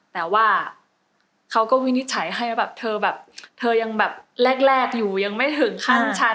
แต่ว่าเขาก็วินิจฉัยให้แบบเธอแบบแรกอยู่ยังไม่ถึงขั้นชั้น